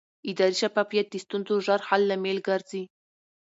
اداري شفافیت د ستونزو ژر حل لامل ګرځي